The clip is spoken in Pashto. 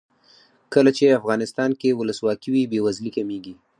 کله چې افغانستان کې ولسواکي وي بې وزلي کمیږي.